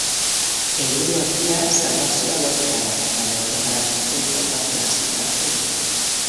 Helburu argia salbazioa lortzea da, baina horretarako puntuak batzen hasi beharko dute.